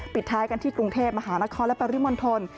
ปิดท้ายกันที่กรุงเทพมหานครและปริมณฑล